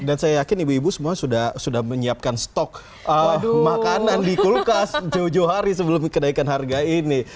dan saya yakin ibu ibu semua sudah menyiapkan stok makanan di kulkas tujuh hari sebelum kenaikan harga ini